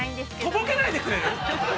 ◆とぼけないでくれる！？